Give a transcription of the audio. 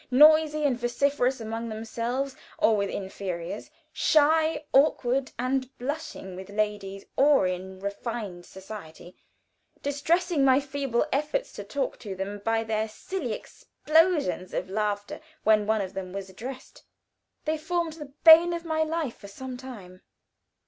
Noisy and vociferous among themselves or with inferiors; shy, awkward and blushing with ladies or in refined society distressing my feeble efforts to talk to them by their silly explosions of laughter when one of them was addressed. They formed the bane of my life for some time.